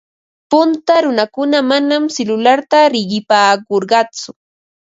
Punta runakuna manam silularta riqipaakurqatsu.